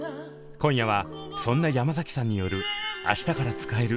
今夜はそんな山崎さんによる明日から使える！